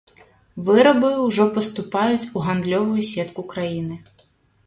Вырабы ўжо паступаюць у гандлёвую сетку краіны.